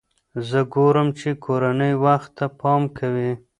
زه ګورم چې کورنۍ وخت ته پام کوي.